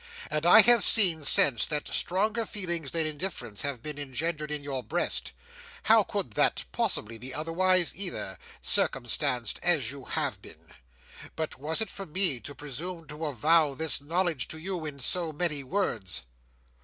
And I have seen, since, that stronger feelings than indifference have been engendered in your breast—how could that possibly be otherwise, either, circumstanced as you have been? But was it for me to presume to avow this knowledge to you in so many words?"